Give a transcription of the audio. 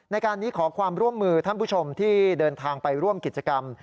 ในการนี้ขอความร่วมมือท่านผู้ชมที่เดินทางไปร่วมกิจกรรม